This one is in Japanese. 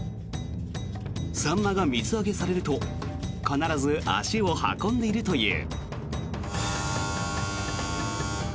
サンマが水揚げされると必ず足を運んでいるという。